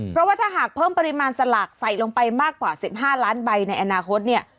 เพราะว่าถ้าหากเพิ่มปริมาณสลากใส่ลงไปมากกว่า๑๕ล้านใบในอนาคตเนี่ย